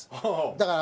だから